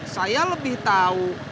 saya lebih tahu